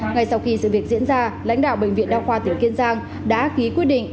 ngay sau khi sự việc diễn ra lãnh đạo bệnh viện đa khoa tỉnh kiên giang đã ký quyết định